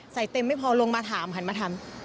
เต็มไม่พอลงมาถามหันมาถาม